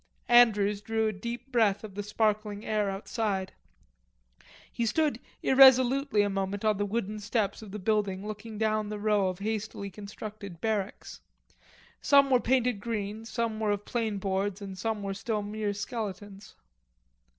Andrews drew a deep breath of the sparkling air outside. He stood irresolutely a moment on the wooden steps of the building looking down the row of hastily constructed barracks. Some were painted green, some were of plain boards, and some were still mere skeletons.